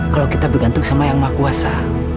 kalau kita bergantung sama yang maha kuasa